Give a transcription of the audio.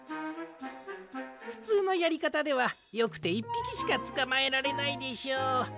ふつうのやりかたではよくて１ぴきしかつかまえられないでしょう。